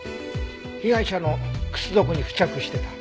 被害者の靴底に付着してた。